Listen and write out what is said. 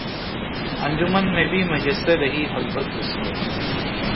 انجمن میں بھی میسر رہی خلوت اس کو